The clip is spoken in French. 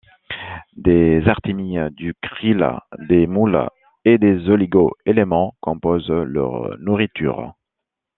Des artémies, du krill, des moules, et des oligo-éléments composent leur nourriture.